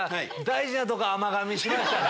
大事なとこ。